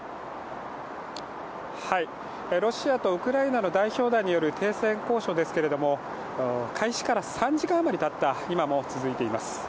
ロシアとウクライナの代表団による停戦交渉ですけれども、開始から３時間あまりたった今も続いています。